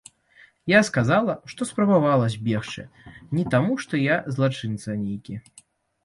Я сказала, што спрабавала збегчы не таму што я злачынца нейкі.